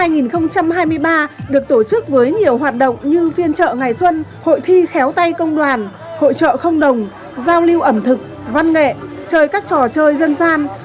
năm hai nghìn hai mươi ba được tổ chức với nhiều hoạt động như phiên chợ ngày xuân hội thi khéo tay công đoàn hội trợ không đồng giao lưu ẩm thực văn nghệ chơi các trò chơi dân gian